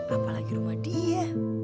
apalagi rumah dia